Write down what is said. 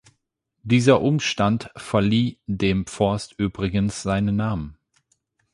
Dieser Umstand verlieh dem Forst übrigens seinen Namen.